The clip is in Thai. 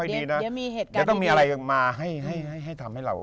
เดี๋ยวต้องมีอะไรมาให้ทำให้เรา